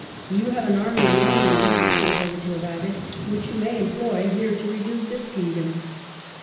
" You have an army in Ireland," he is reported to have added, " which you may employ here to reduce this kingdom."